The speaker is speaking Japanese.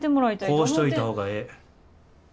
こうしといた方がええ。